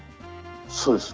そうです。